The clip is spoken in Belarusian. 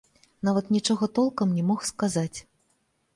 Нават нічога толкам не мог сказаць.